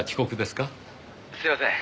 「すみません